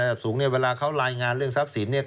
สูงเนี่ยเวลาเขารายงานเรื่องทรัพย์สินเนี่ย